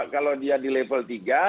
kalau dia di level tiga